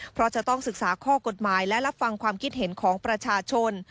เพราะจะต้องศึกษาข้อกฎหมายและรับฟังความคิดเห็นของประชาชน